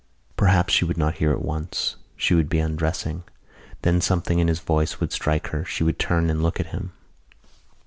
Perhaps she would not hear at once: she would be undressing. Then something in his voice would strike her. She would turn and look at him....